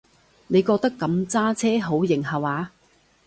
你覺得噉揸車好型下話？